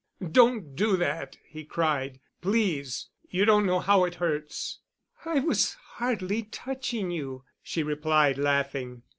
"Don't do that," he cried. "Please. You don't know how it hurts." "I was hardly touching you," she replied, laughing.